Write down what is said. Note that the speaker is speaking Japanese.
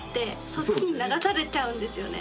そっちに流されちゃうんですよね。